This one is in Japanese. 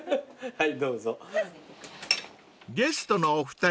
はい。